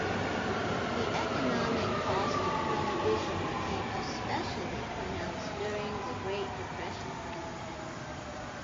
The economic cost of Prohibition became especially pronounced during the Great Depression.